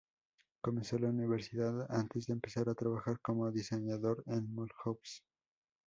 Comenzó la universidad antes de empezar a trabajar como diseñador en Mulhouse.